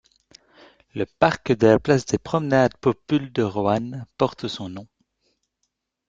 Le parc de la place des Promenades Populle de Roanne porte son nom.